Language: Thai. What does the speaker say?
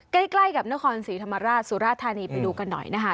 ใกล้กับนครศรีธรรมราชสุราธานีไปดูกันหน่อยนะคะ